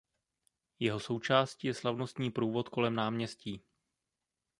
Jeho součástí je slavnostní průvod kolem náměstí.